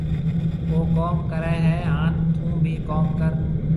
او ڪوم ڪرهيَ هانَ ٿُون بي ڪوم ڪري۔